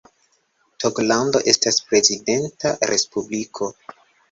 Togolando estas prezidenta respubliko.